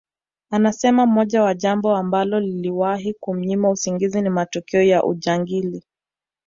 Anasema moja ya jambo ambalo liliwahi kumnyima usingizi ni matukio ya ujangili